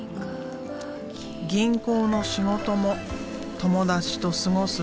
銀行の仕事も友達と過ごす休日も。